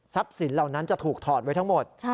สินเหล่านั้นจะถูกถอดไว้ทั้งหมด